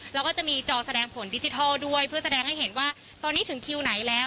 แล้วก็จะมีจอแสดงผลดิจิทัลด้วยเพื่อแสดงให้เห็นว่าตอนนี้ถึงคิวไหนแล้ว